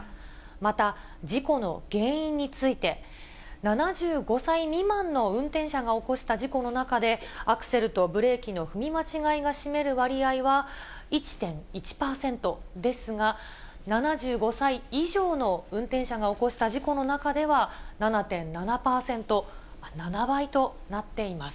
また事故の原因について、７５歳未満の運転者が起こした事故の中で、アクセルとブレーキの踏み間違いが占める割合は１．１％ですが、７５歳以上の運転者が起こした事故の中では、７．７％、７倍となっています。